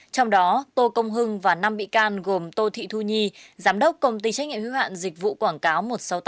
trong đó tô công hưng và năm bị can gồm tô thị thu nhi giám đốc công ty trách nhiệm hữu hạn dịch vụ quảng cáo một trăm sáu mươi tám